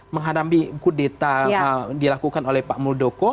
menghadapi kudeta dilakukan oleh pak muldoko